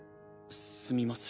すみませ。